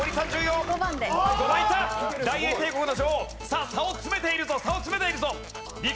さあ差を詰めているぞ差を詰めているぞ！